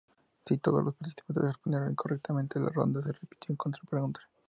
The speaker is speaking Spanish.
Si todos los participantes respondieron incorrectamente, la ronda se repitió con otra pregunta.